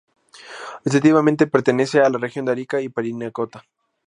Administrativamente pertenece a la Región de Arica y Parinacota.